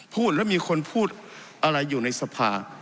พูดแล้วมีคนพูดอะไรอยู่ในสภา